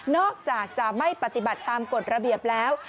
อกจากจะไม่ปฏิบัติตามกฎระเบียบแล้ว